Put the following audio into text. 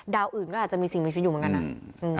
อื่นก็อาจจะมีสิ่งมีชีวิตอยู่เหมือนกันนะ